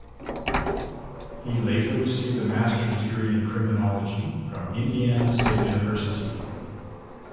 He later received a master's degree in criminology from Indiana State University.